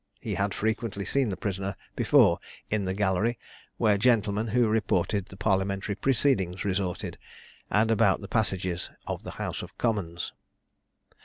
He had frequently seen the prisoner before in the gallery, where gentlemen who report the parliamentary proceedings resorted, and about the passages of the House of Commons.